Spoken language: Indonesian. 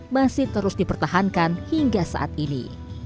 masih terus dipertahankan hingga saat ini